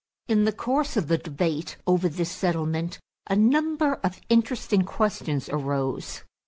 In the course of the debate over this settlement, a number of interesting questions arose.